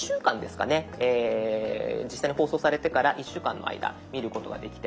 実際に放送されてから１週間の間見ることができて。